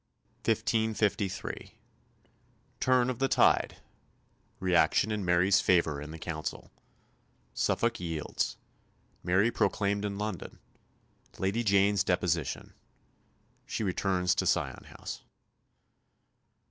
CHAPTER XVIII 1553 Turn of the tide Reaction in Mary's favour in the Council Suffolk yields Mary proclaimed in London Lady Jane's deposition She returns to Sion House.